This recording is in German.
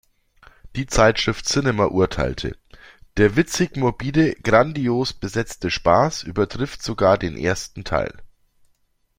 Die Zeitschrift Cinema urteilte: „"Der witzig-morbide, grandios besetzte Spaß übertrifft sogar den ersten Teil"“.